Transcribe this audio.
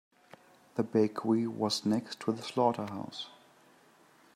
The bakery was next to the slaughterhouse.